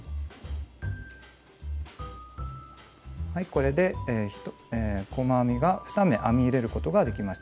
これで細編みが２目編み入れることができました。